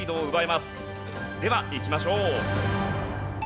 ではいきましょう。